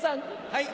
はい。